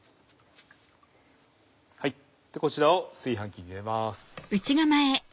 こちらを炊飯器に入れます。